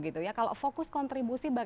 namanya bernama lafargo dos learns